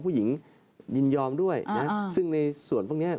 ผู้หญิงยินยอมด้วยนะซึ่งในส่วนพวกนี้